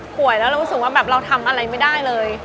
เรารู้สึกว่าแบบเราทำอะไรไม่ได้เลย